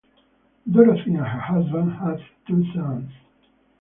Dorothy and her husband had two sons.